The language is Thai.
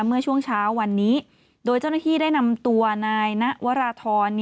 เมื่อช่วงเช้าวันนี้โดยเจ้าหน้าที่ได้นำตัวนายณวราธร